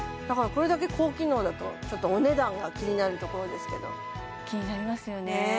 これだけ高機能だとちょっとお値段が気になるところですけど気になりますよねね